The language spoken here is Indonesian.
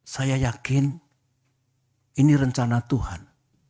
saya yakin ini rencana tuhan